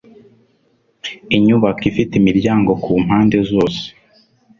Inyubako ifite imiryango kumpande zose